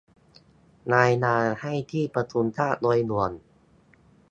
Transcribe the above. รายงานให้ที่ประชุมทราบโดยด่วน